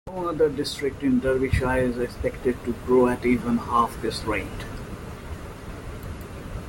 No other district in Derbyshire is expected to grow at even half this rate.